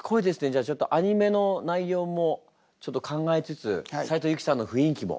じゃあちょっとアニメの内容もちょっと考えつつ斉藤由貴さんの雰囲気も？